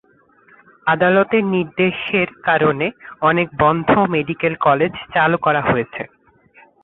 আদালতের নির্দেশের কারণে অনেক বন্ধ মেডিকেল কলেজ চালু করা হয়েছে।